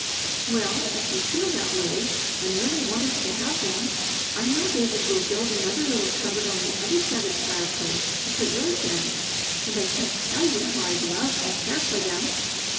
"Well if you feel that way, and really want us to have them, I know David will build another little cupboard on the other side of the fireplace to put yours in, and I can't tell you how I'd love and care for them."